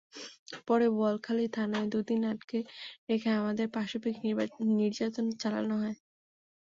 পরে বোয়ালখালী থানায় দুদিন আটকে রেখে আমাদের পাশবিক নির্যাতন চালানো হয়।